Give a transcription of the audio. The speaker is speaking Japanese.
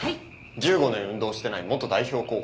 １５年運動してない元代表候補。